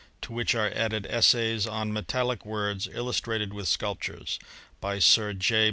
To which are added essays :. on metaUic words, illustrated with sculptures. By Sir J.